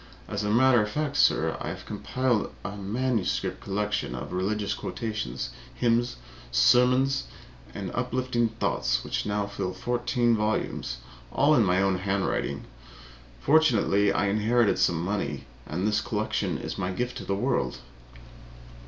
As a matter of fact, sir, I have compiled a manuscript collection of religious quotations, hymns, sermons and uplifting thoughts which now fill fourteen volumes, all in my own handwriting. Fortunately, I inherited money, and this collection is my gift to the world."